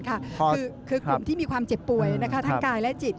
คือกลุ่มที่มีความเจ็บป่วยทั้งกายและจิต